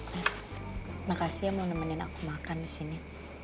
mas makasih ya mau nemenin aku makan disini